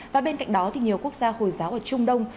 và bên cạnh đó nhiều quốc gia hồi giáo ở trung đông